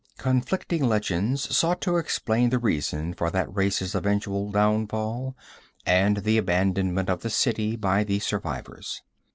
Conflicting legends sought to explain the reason for that race's eventual downfall, and the abandonment of the city by the survivors.